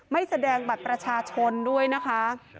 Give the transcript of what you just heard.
ไม่แสดงบัตรประชาชนด้วยนะคะ